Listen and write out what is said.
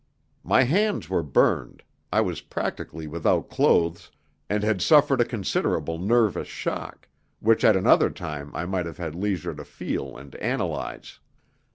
My hands were burned, I was practically without clothes, and had suffered a considerable nervous shock, which at another time I might have had leisure to feel and analyse.